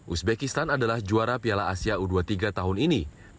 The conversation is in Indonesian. uzbekistan adalah juara piala asia u dua puluh tiga tahun ini